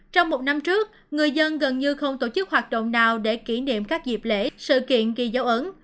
trong một năm trước người dân gần như không tổ chức hoạt động nào để kỷ niệm các dịp lễ sự kiện ghi dấu ấn